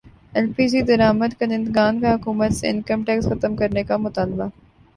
L P G درامد کنندگان کا حکومت سے انکم ٹیکس ختم کرنے کا مطالبہ